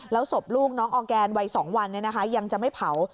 แล้วศพลูกน้องออร์แกนวัย๒วันยังจะไม่เผา